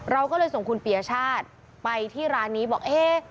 เราก็เลยส่งคุณปียชาติไปที่ร้านนี้บอกเอ๊ะ